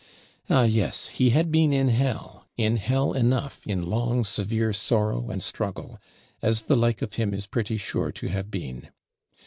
Ah yes, he had been in Hell; in Hell enough, in long severe sorrow and struggle; as the like of him is pretty sure to have been.